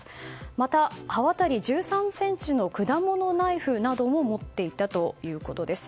また刃渡り１３ｃｍの果物ナイフなども持っていたということです。